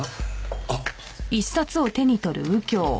あっ。